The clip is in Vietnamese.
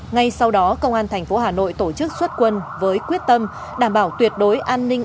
ngay sau đó công an thành phố hà nội tổ chức xuất quân với quyết tâm đảm bảo tuyệt đối an ninh